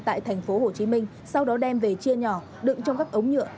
tại thành phố hồ chí minh sau đó đem về chia nhỏ đựng trong các ống nhựa